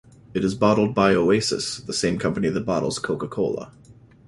It is bottled by Oasis, the same company that bottles Coca-Cola.